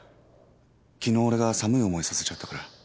「昨日俺が寒い思いさせちゃったから」